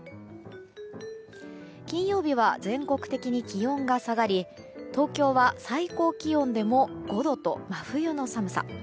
金曜日は全国的に気温が下がり東京は最高気温でも５度と真冬の寒さ。